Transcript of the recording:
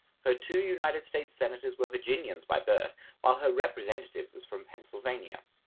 Her two United States Senators were Virginians by birth, while her Representative was from Pennsylvania.